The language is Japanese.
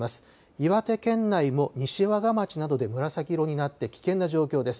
岩手県内も西和賀町で紫色になって危険な状況です。